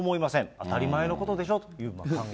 当たり前のことでしょうっていう考え方。